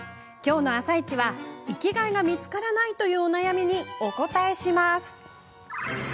きょうの「あさイチ」は生きがいが見つからないというお悩みにお答えします。